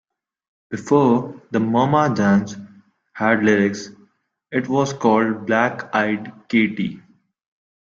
Before "The Moma Dance" had lyrics, it was called "Black-Eyed Katy".